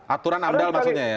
aturan amdal maksudnya ya